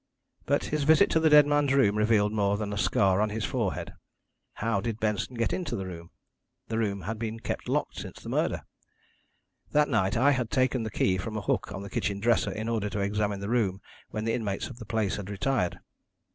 "But his visit to the dead man's room revealed more than the scar on his forehead. How did Benson get into the room? The room had been kept locked since the murder. That night I had taken the key from a hook on the kitchen dresser in order to examine the room when the inmates of the place had retired.